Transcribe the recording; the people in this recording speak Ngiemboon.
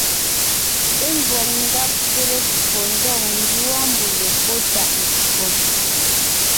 Ḿvɔg ńgabte lepfo ndɔg ńdúɔ mbʉ̀le pɔ́ tàʼ ncwò.